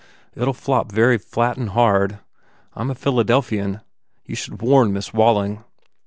"It ll flop very flat and hard. I m a Philadel phian. You should warn Miss Walling."